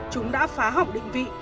chúng đã phá hỏng định vị